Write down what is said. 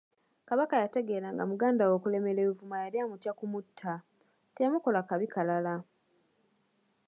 Kabaka yategeera nga mugandawe okulemera e Buvuma yali amutya kumutta, teyamukola kabi kalala.